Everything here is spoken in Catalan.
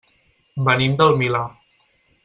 Venim del Milà.